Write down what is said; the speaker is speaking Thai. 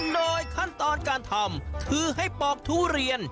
โดยขั้นตอนการทำคือให้ปอกทุเรียน